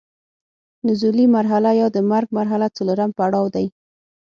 نزولي مرحله یا د مرګ مرحله څلورم پړاو دی.